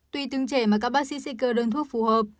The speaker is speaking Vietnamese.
tuy tương trẻ mà các bác sĩ sẽ cơ đơn thuốc phù hợp